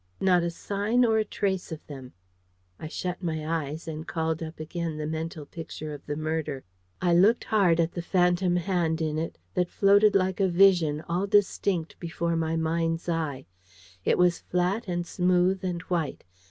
Not a sign or a trace of them. I shut my eyes, and called up again the mental Picture of the murder. I looked hard at the phantom hand in it, that floated like a vision, all distinct before my mind's eye. It was flat and smooth and white.